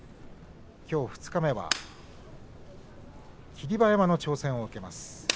きょう二日目は霧馬山の挑戦を受けます。